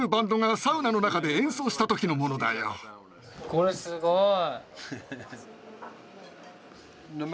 これすごい。